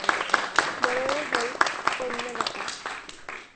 বলোৱেই হ'ল কন্যাদাতা।